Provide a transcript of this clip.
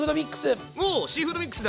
シーフードミックス！